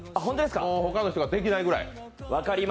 他の人ができないくらい。